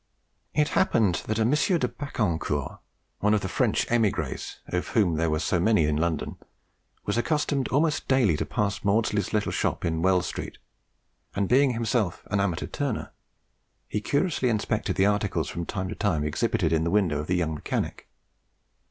It happened that a M. de Bacquancourt, one of the French emigres, of whom there were then so many in London, was accustomed almost daily to pass Maudslay's little shop in Wells street, and being himself an amateur turner, he curiously inspected the articles from time to time exhibited in the window of the young mechanic.